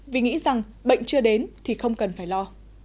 vì nghĩ rằng bệnh chưa đến thì không cần phải lo